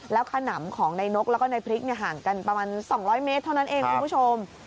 แล้วขนำของในนกแล้วก็ในพริกห่างกันประมาณ๒๐๐เมตรเท่านั้นเองคุณผู้ชม